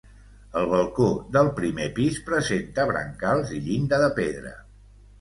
El balcó del primer pis presenta brancals i llinda de pedra.